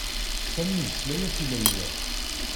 Sami yesla-as i Layla.